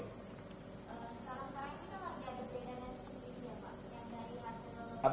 sekarang sekaranya kenapa lagi ada perbedaan cctv ya pak